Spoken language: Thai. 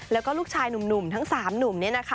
แล้วก็ลูกชายหนุ่มทั้ง๓หนุ่มเนี่ยนะคะ